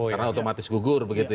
karena otomatis gugur begitu ya